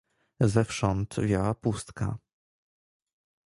"Zewsząd wiała pustka."